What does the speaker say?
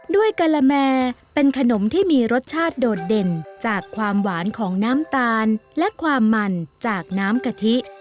กะละแมเป็นขนมที่มีรสชาติโดดเด่นจากความหวานของน้ำตาลและความมันจากน้ำกะทิ